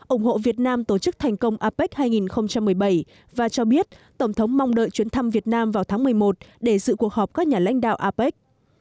ủng hộ việt nam tổ chức thành công apec hai nghìn một mươi bảy và cho biết tổng thống mong đợi chuyến thăm việt nam vào tháng một mươi một để dự cuộc họp các nhà lãnh đạo apec